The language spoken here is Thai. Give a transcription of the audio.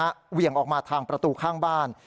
เหวี่ยงออกมาทางประตูข้างบ้าน